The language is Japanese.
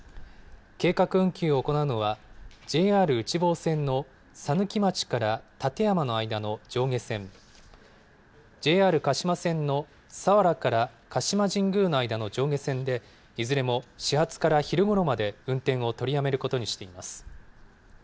計画運休を行うのは、ＪＲ内房線の佐貫町から館山の間の上下線、ＪＲ鹿島線の佐原から鹿島神宮の間の上下線で、いずれも始発から昼ごろまで運転を取りやめることにしています。